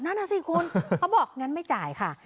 นั่นน่ะสิคุณเขาบอกงั้นไม่จ่ายค่ะ